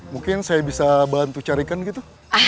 mungkin saya bisa bantu carikan gitu